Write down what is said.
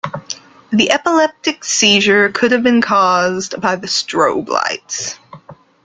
The epileptic seizure could have been cause by the strobe lights.